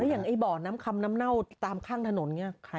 เอออย่างไอบ่อน้ำคำน้ำเน่าตามข้างถนนเงี้ยใคร